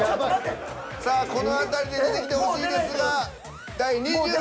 さあこの辺りで出てきてほしいですが第２６位は。